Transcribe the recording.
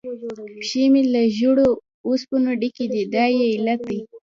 پښې مې له زړو اوسپنو ډکې دي، دا یې علت دی.